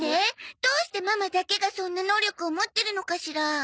どうしてママだけがそんな能力を持ってるのかしら。